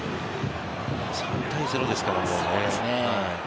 ３対０ですからね。